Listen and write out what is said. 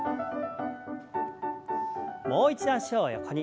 もう一度脚を横に。